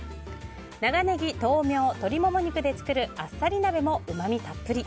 長ネギ、豆苗、鶏モモ肉で作るあっさり鍋もうまみたっぷり。